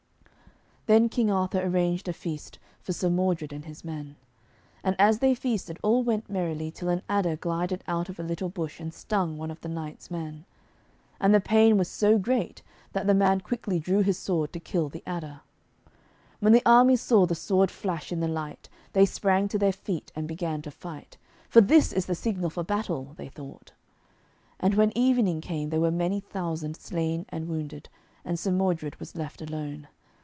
Then King Arthur arranged a feast for Sir Modred and his men. And as they feasted all went merrily till an adder glided out of a little bush and stung one of the knight's men. And the pain was so great, that the man quickly drew his sword to kill the adder. And when the armies saw the sword flash in the light, they sprang to their feet and began to fight, 'for this is the signal for battle,' they thought. And when evening came there were many thousand slain and wounded, and Sir Modred was left alone.